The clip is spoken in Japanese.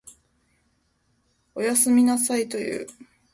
おやすみなさいと言う。